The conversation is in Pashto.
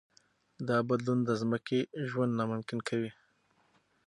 دا بدلون د ځمکې ژوند ناممکن کوي.